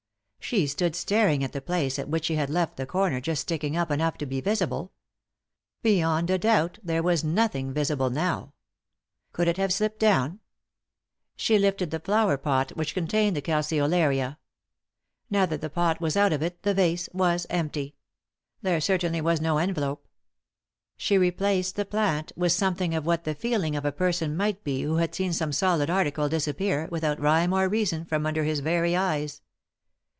She stood staring at the place at which she had left the comer just sticking up enough to be visible. Beyond a doubt there was nothing visible now. Could it have slipped down ? She lifted the Bower pot which con 142 3i 9 iii^d by Google THE INTERRUPTED KISS tained the calceolaria. Now that the pot was out of it the vase was empty. There certainly was no envelope. She replaced the plant with something of what the feel ings of a person might be who bad seen some solid article disappear, without rhyme or reason, from under his very eyes.